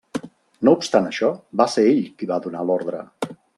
No obstant això, va ser ell qui va donar l'ordre.